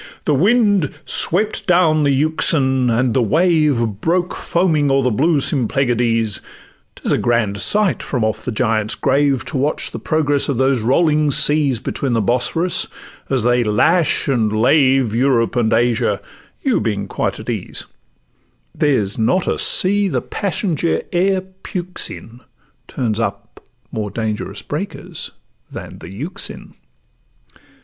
The wind swept down the Euxine, and the wave Broke foaming o'er the blue Symplegades; 'Tis a grand sight from off 'the Giant's Grave To watch the progress of those rolling seas Between the Bosphorus, as they lash and lave Europe and Asia, you being quite at ease; There's not a sea the passenger e'er pukes in, Turns up more dangerous breakers than the Euxine.